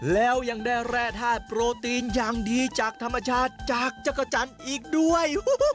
แล้วยังได้แร่ธาตุโปรตีนอย่างดีจากธรรมชาติจากจักรจันทร์อีกด้วย